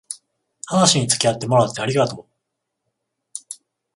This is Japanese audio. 話につきあってもらってありがとう